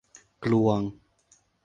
กลวง